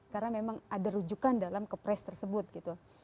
karena memang ada rujukan dalam kepres tersebut gitu